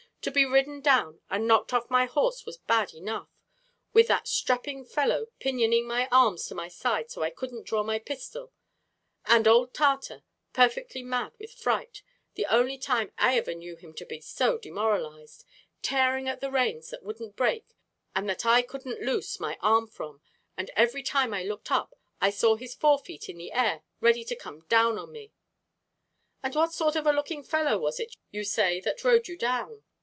"To be ridden down and knocked off my horse was bad enough, with that strapping fellow pinioning my arms to my side so I couldn't draw my pistol; and old Tartar, perfectly mad with fright the only time I ever knew him to be so demoralized tearing at the reins that wouldn't break and that I couldn't loose my arm from, and every time I looked up I saw his fore feet in the air ready to come down on me " "And what sort of a looking fellow was it you say that rode you down?"